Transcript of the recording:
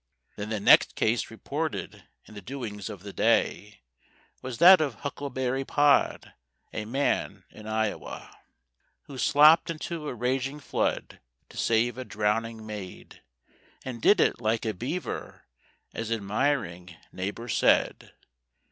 Then the next case reported in the doings of the day Was that of Huckleberry Pod, a man in Iowa, Who slopped into a raging flood to save a drowning maid, And did it like a beaver, as admiring neighbours said.